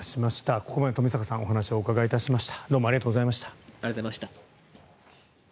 ここまで富坂さんお話をお伺いしました。